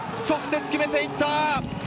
直接、決めていった！